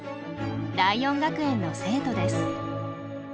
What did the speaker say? ライオン学園の生徒です。